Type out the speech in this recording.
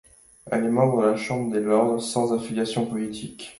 Elle est membre de la Chambre des lords, sans affiliation politique.